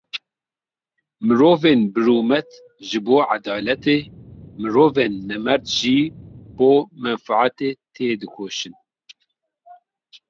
Mirovên birûmet ji bo edaletê, mirovên nemerd ji bo menfaetê têdikoşin.